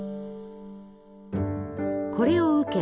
これを受け